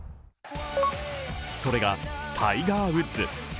それがタイガー・ウッズ。